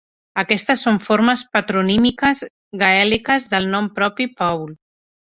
Aquestes són formes patronímiques gaèliques del nom propi "Paul".